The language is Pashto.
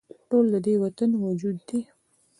ټول د دې وطن وجود دي